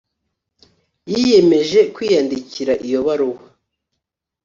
yiyemeje kwiyandikira iyo baruwa